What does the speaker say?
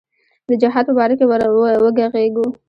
د جهاد په باره کې وږغیږو.